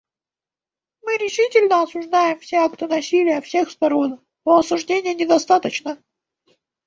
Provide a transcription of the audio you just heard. Мы решительно осуждаем все акты насилия всех сторон; но осуждения недостаточно.